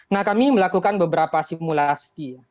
nah kami melakukan beberapa simulasi ya